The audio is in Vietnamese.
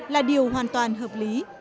là điều hoàn toàn hợp lý